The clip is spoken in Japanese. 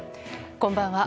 こんばんは。